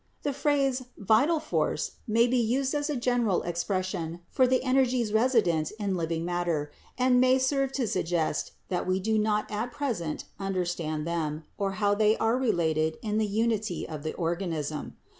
"The phrase 'vital force' may be used as a general ex pression for the energies resident in living matter, and may serve to suggest that we do not at present understand them, or how they are related in the unity of the organism.